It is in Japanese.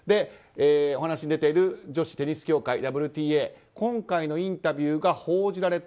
お話に出ている女子テニス協会・ＷＴＡ今回のインタビューが報じられた